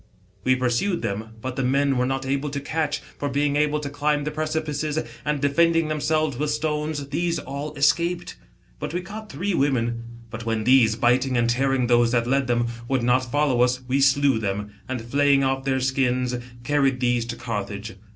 We pursued them ; but the men we were not able to catch, for being able to climb the precipices, and defending themselves with "stones, these all escaped. But we caught three wo^ien. But" when these, biting and tear ing tKose that led them, would not follow us, We slew them, and flaying off their skins, carried these to Carthage.